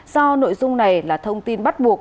do nội dung này là thông tin bắt buộc